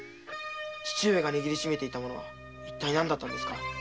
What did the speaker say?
父上が握りしめていた物は何だったのですか？